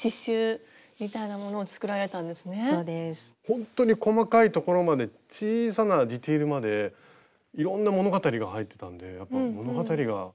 ほんとに細かいところまで小さなディテールまでいろんな物語が入ってたんでやっぱ物語がお好きなんですね。